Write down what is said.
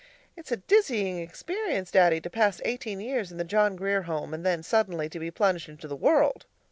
It's a dizzying experience, Daddy, to pass eighteen years in the John Grier Home, and then suddenly to be plunged into the WORLD.